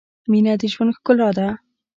• مینه د ژوند ښکلا ده.